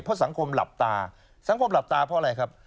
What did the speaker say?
เพราะสังคมหลับตาสังคมหลับตาเพราะอะไรครับ